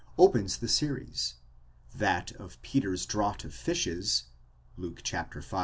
opens the series ; that of Peter's draught of fishes (Luke v.